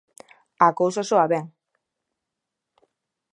A cousa soa ben.